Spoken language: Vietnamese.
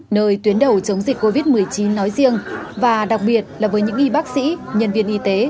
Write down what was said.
nơi tuyến đầu chống dịch covid một mươi chín nói riêng và đặc biệt là với những y bác sĩ nhân viên y tế